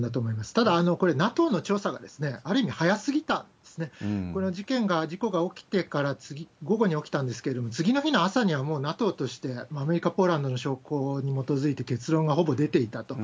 ただ、これ、ＮＡＴＯの調査が、ある意味、早すぎたんですね、この事件が、事故が起きてから、午後に起きたんですけれども、次の日の朝にはもうＮＡＴＯとしてアメリカ、ポーランドの証拠に基づいて結論がほぼ出ていたと。